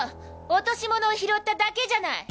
落とし物を拾っただけじゃない！